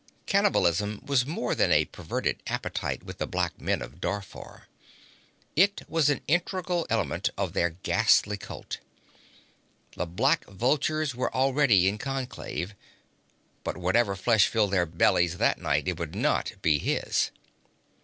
Cannibalism was more than a perverted appetite with the black men of Darfar; it was an integral element of their ghastly cult. The black vultures were already in conclave. But whatever flesh filled their bellies that night, it would not be his.